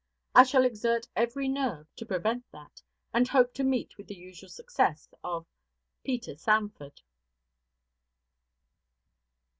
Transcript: I shall exert every nerve to prevent that, and hope to meet with the usual success of PETER SANFORD.